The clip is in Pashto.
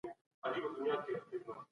کمپيوټر ماشين ساتي.